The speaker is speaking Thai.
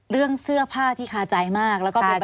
เรื่องเสื้อผ้าที่คาใจมาก